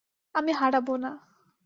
আমি হারাবো না।